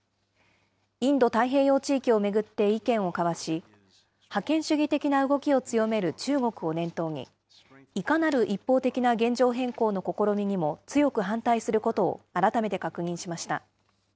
インド太平洋地域を巡って意見を交わし、覇権主義的な動きを強める中国を念頭に、いかなる一方的な現状変更の試みにも強く反対することを改めて確認しました。